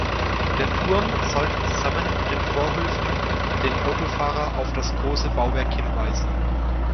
Der Turm sollte zusammen mit den Vorhöfen den Autofahrer auf das große Bauwerk hinweisen.